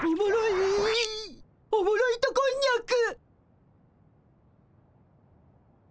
おもろ糸こんにゃく。